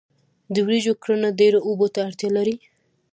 د وریجو کرنه ډیرو اوبو ته اړتیا لري.